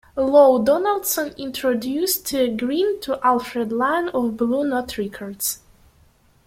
Lou Donaldson introduced Green to Alfred Lion of Blue Note Records.